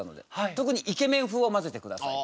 特にイケメン風を混ぜてください。